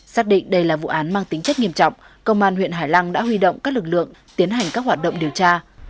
xác định đây là vụ án mang tính chất nghiêm trọng công an huyện hải lăng đã huy động các lực lượng tiến hành các hoạt động điều tra